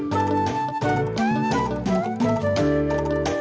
tahan saja ssnate